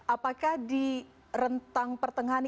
apakah di rentang pertengahan